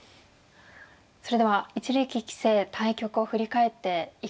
それでは一力棋聖対局を振り返っていかがでしょうか？